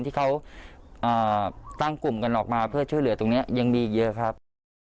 ที่เขาตั้งกลุ่มกันออกมาเพื่อช่วยเหลือตรงนี้ยังมีอีกเยอะครับ